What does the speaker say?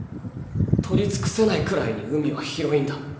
取り尽くせないくらいに海は広いんだ。